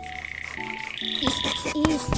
えっえっと